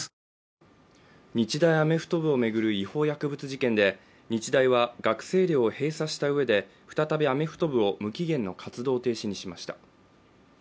日大アメフト部を巡る違法薬物事件で日大は、学生寮を閉鎖したうえで再びアメフト部を無期限の活動停止にしました。